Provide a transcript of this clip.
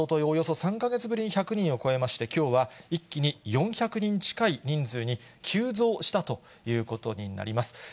およそ３か月ぶりに１００人を超えまして、きょうは一気に４００人近い人数に急増したということになります。